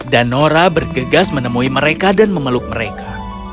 dan nora bergegas menemui mereka dan memeluk mereka